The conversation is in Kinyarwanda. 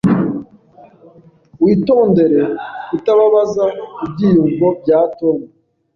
Witondere kutababaza ibyiyumvo bya Tom.